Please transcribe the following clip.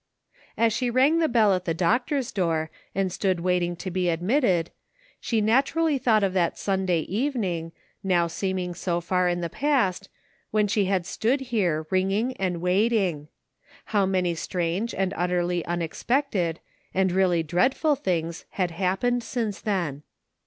"SO YOU WANT TO GO HOME?'' 169 As she rang the bell at the doctor's door and stood waiting to be admitted, she naturally thought of that Sunday evening, now seeming so far in the past, when she had stood here, ring ing and waiting. How many strange and utterly unexpected, and really dreadful things had hap pened since then!